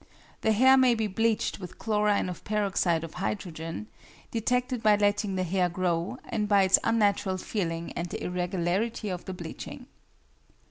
The hair may be bleached with chlorine or peroxide of hydrogen, detected by letting the hair grow and by its unnatural feeling and the irregularity of the bleaching.